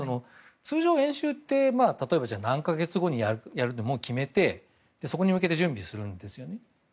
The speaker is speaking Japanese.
通常、演習って、例えば何か月後にやるって決めてそこに向けて準備をするんですね。